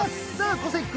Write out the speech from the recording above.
小関君